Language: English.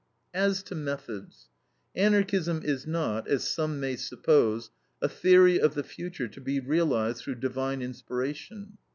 As to methods. Anarchism is not, as some may suppose, a theory of the future to be realized through divine inspiration.